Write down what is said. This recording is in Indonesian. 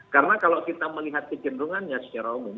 karena kalau kita melihat kecenderungannya secara umum